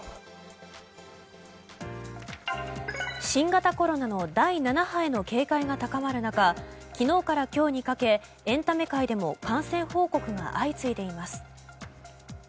新型コロナの第７波への警戒が高まる中昨日から今日にかけエンタメ界でも感染報告が相次いでいます。